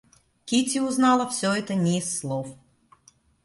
Кити узнала всё это не из слов.